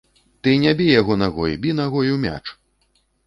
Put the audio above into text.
Ты не бі яго нагой, бі нагой у мяч.